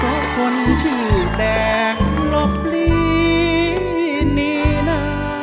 เพราะคนถูกแดดหลบลี่หนีนา